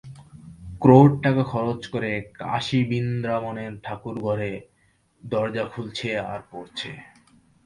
ক্রোর টাকা খরচ করে কাশী বৃন্দাবনের ঠাকুরঘরের দরজা খুলছে আর পড়ছে।